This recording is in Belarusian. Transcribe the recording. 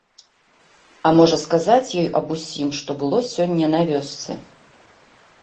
А можа, сказаць ёй аб усім, што было сёння на вёсцы?